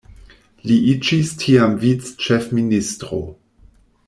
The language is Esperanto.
Li iĝis tiam vic-ĉefministro.